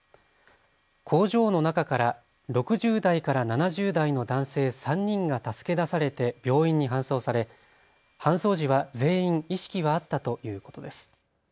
工場の中から６０代から７０代の男性３人が助け出されて病院に搬送され、搬送時は全員意識はあったということです。